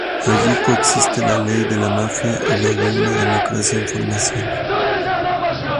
Allí coexisten la ley de la mafia y la de una democracia en formación.